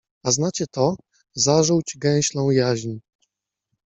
A znacie to? Zażółć gęślą jaźń